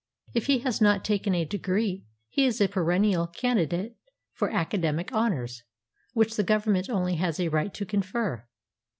If he has not taken a degree, he is a perennial can didate for academic honors, which the Government only has a right to confer.